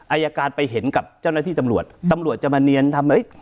อายการไปเห็นกับเจ้าหน้าที่ตำรวจตำรวจจะมาเนียนทำให้